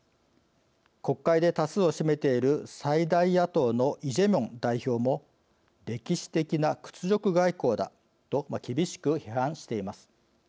国会で多数を占めている最大野党のイ・ジェミョン代表も歴史的な屈辱外交だと厳しく批判しています。